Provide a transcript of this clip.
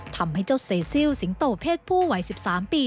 ทำให้เจ้าเซซิลสิงโตเพศผู้วัย๑๓ปี